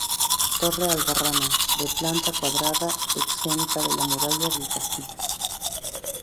Torre albarrana de planta cuadrada, exenta de la muralla del castillo.